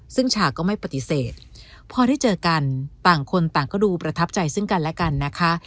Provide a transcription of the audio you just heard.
ซึ่งฉากก็ไม่ปฏิเสธพอได้เจอกันต่างคนต่างก็ดูประทับใจซึ่งกันและกันนะคะ